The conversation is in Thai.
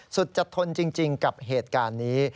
สุดจะทนจริงกับเหตุการณ์นี้